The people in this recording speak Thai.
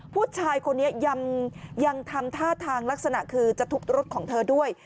ผู้ชายคนนี้ยังทำท่าทางลักษณะคือจะทุบรถของเธอด้วย